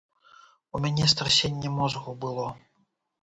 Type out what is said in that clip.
У мяне страсенне мозгу было.